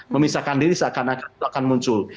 memisahkan diri seakan akan itu akan muncul